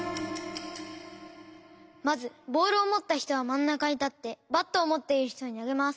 まずボールをもったひとはまんなかにたってバットをもっているひとになげます。